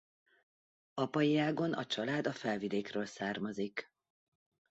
Apai ágon a család a Felvidékről származik.